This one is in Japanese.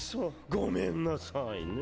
ごめんなさいねぇ。